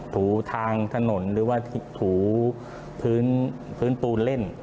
ถูทางถนนหรือว่าถูพื้นปูนเล่น